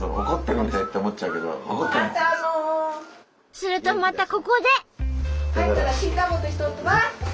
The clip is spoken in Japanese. するとまたここで。